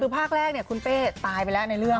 คือภาคแรกคุณเป้ตายไปแล้วในเรื่อง